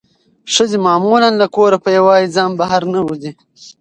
ښځې معمولا له کوره په یوازې ځان بهر نه وځي.